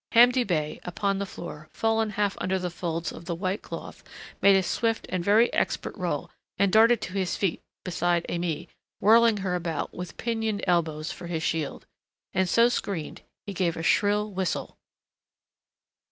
Hamdi Bey, upon the floor, fallen half under the folds of the white cloth, made a swift and very expert roll and darted to his feet beside Aimée, whirling her about, with pinioned elbows, for his shield. And so screened, he gave a shrill whistle.